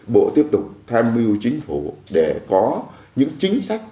bộ tiếp tục tham mưu chính phủ để có những chính sách